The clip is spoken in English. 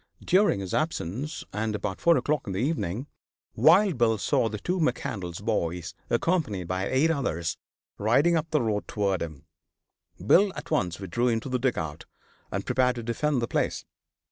During his absence, and about four o'clock in the evening, Wild Bill saw the two McCandlas boys, accompanied by eight others, riding up the road towards him. Bill at once withdrew into the dugout and prepared to defend the place.